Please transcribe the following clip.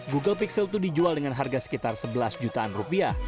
google pixel dua dijual dengan harga sekitar sebelas jutaan rupiah